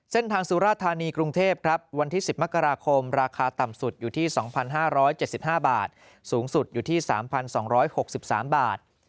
สุราธานีกรุงเทพครับวันที่๑๐มกราคมราคาต่ำสุดอยู่ที่๒๕๗๕บาทสูงสุดอยู่ที่๓๒๖๓บาท